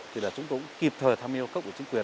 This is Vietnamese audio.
thì chúng tôi cũng kịp thời tham yêu cấp của chính quyền